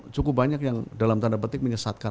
cukup banyak yang dalam tanda petik menyesatkan